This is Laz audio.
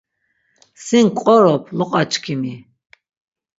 Sin k̆qorop loqaçkimi.